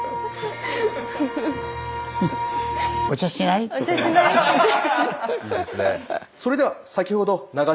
いいですね。